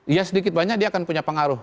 ya sedikit banyak dia akan punya pengaruh